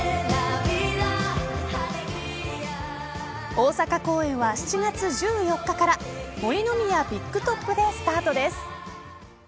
大阪公演は７月１４日から森ノ宮ビッグトップでスタートです。